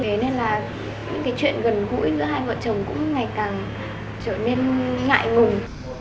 thế nên là những cái chuyện gần gũi giữa hai vợ chồng cũng ngày càng trở nên ngại ngùng